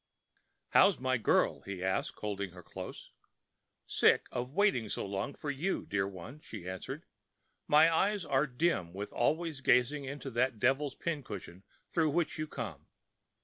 "How's my girl?" he asked, holding her close. "Sick of waiting so long for you, dear one," she answered. "My eyes are dim with always gazing into that devil's pincushion through which you come.